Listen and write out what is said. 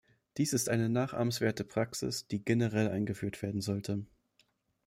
Dies ist eine nachahmenswerte Praxis, die generell eingeführt werden sollte.